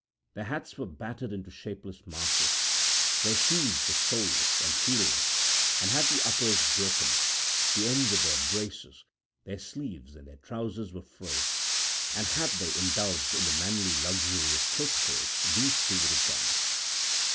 Their hats were battered into shapeless masses, their shoes were soleless and heel less and had the uppers broken, the ends of their braces, their sleeves, and their trousers were frayed, and had they indulged in the manly luxury of coat tails these too would have gone.